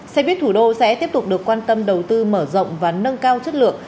xe buýt thủ đô sẽ tiếp tục được quan tâm đầu tư mở rộng và nâng cao chất lượng